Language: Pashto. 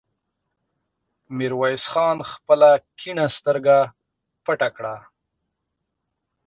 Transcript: ميرويس خان خپله کيڼه سترګه پټه کړه.